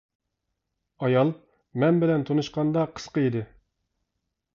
ئايال: مەن بىلەن تونۇشقاندا، قىسقا ئىدى.